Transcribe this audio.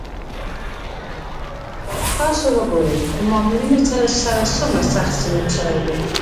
تاسو وګورئ له مامورینو سره څومره سخت سلوک شوی دی.